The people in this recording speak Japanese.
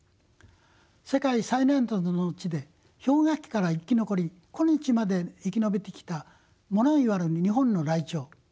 世界最南端の地で氷河期から生き残り今日まで生き延びてきた物言わぬ日本のライチョウ。